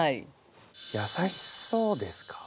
やさしそうですか？